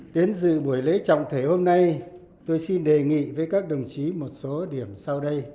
đến dự buổi lễ trọng thể hôm nay tôi xin đề nghị với các đồng chí một số điểm sau đây